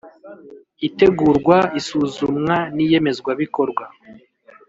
Itegurwa isuzumwa n iyemezwabikorwa